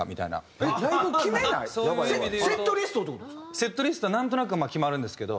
セットリストなんとなくはまあ決まるんですけど。